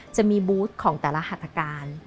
จะมีบูธของแต่ละหัตการ